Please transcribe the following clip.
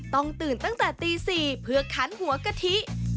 ต้องตื่นตั้งแต่ตี๔เพื่อคันหัวกะทิ